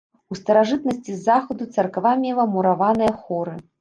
У старажытнасці з захаду царква мела мураваныя хоры.